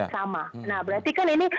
sama nah berarti kan ini